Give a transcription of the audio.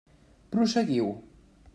Prosseguiu.